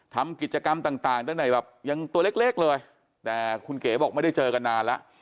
ทำกิจกรรมต่างตั้งแต่แบบยังตัวเล็กเลยแต่คุณเก๋บอกไม่ได้เจอกันนานแล้ว